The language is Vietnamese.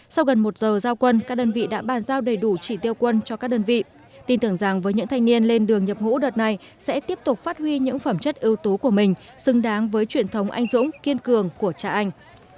sau gần một giờ giao quân các đơn vị đã bàn giao đầy đủ trị tiêu quân cho các đơn vị tin tưởng rằng với những thanh niên lên đường nhập ngũ đợt này sẽ tiếp tục phát huy những phẩm chất ưu tú của mình xứng đáng với truyền thống anh dũng kiên cường của cha anh